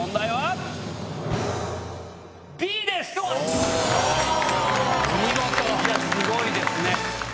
すごいですね。